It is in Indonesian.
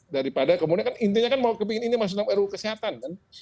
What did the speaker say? daripada kemudian kan intinya kan mau kepingin ini masuk dalam ru kesehatan kan